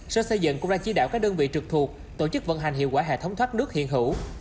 sở xây dựng cũng đã chỉ đạo các đơn vị trực thuộc tổ chức vận hành hiệu quả hệ thống thoát nước hiện hữu